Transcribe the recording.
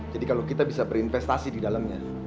jadi kalau kita bisa berinvestasi di dalamnya